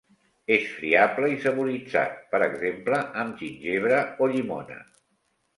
És friable i saboritzat, per exemple, amb gingebre o llimona.